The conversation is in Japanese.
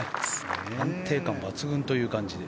安定感、抜群という感じで。